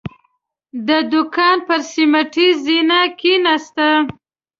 د دوکان پر سيميټي زينه کېناسته.